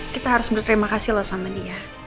kita harus berterima kasih loh sama dia